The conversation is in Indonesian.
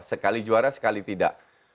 sekali juara sekali tidak